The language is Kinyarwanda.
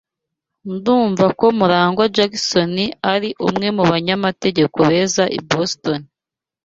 Ndumva ko MuragwA Jackson ari umwe mu banyamategeko beza i Boston.